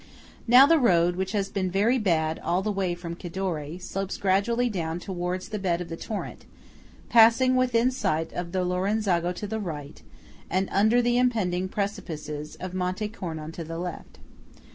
Now the road, which has been very bad all the way from Cadore, slopes gradually down towards the bed of the torrent, passing within sight of Lorenzago to the right, and under the impending precipices of Monte Cornon to the left.